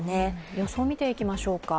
予想を見ていきましょう。